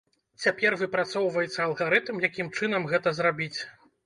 Цяпер выпрацоўваецца алгарытм, якім чынам гэта зрабіць.